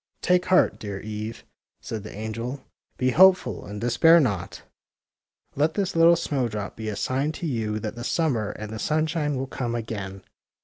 Take heart, dear Eve," said the angel. Be hopeful and despair not. Let this little snowdrop be a sign to you that the summer and the simshine will come again."